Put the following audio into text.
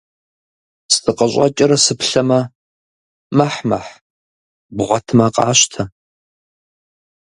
Сыкъыщӏэкӏрэ сыплъэмэ, мэхь-мэхь, бгъуэтмэ къащтэ.